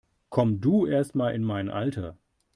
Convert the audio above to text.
Komm du erstmal in mein Alter!